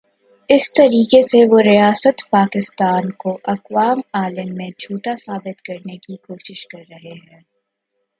اس طریقے سے وہ ریاست پاکستان کو اقوام عالم میں جھوٹا ثابت کرنے کی کوشش کررہے ہیں۔